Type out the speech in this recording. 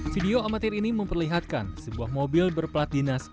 video amatir ini memperlihatkan sebuah mobil berplat dinas